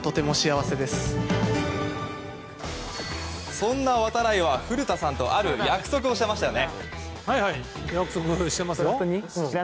そんな度会は、古田さんとある約束をしていましたよね？